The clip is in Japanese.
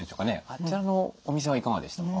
あちらのお店はいかがでしたか？